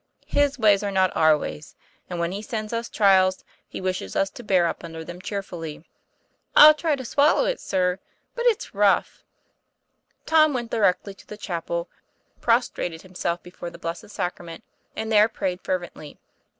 His ways are not our ways. And when He sends us trials, He wishes us to hear up under them cheerfully." 1 ('11 try to swallow it, sir. But it's rough." TOM PLA YFAIR. 199 Tom went directly to the chapel, prostrated him self before the Blessed Sacrament, and there prayed fervently.